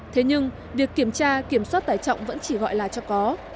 thế nhưng việc kiểm tra kiểm soát tải trọng vẫn chỉ gọi là cho có